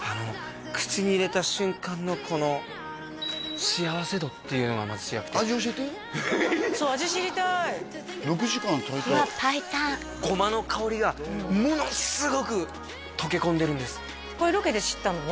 口に入れた瞬間のこの幸せ度っていうのがまず違くて味教えてそう味知りたい６時間炊いたゴマの香りがものすごく溶け込んでるんですこれロケで知ったの？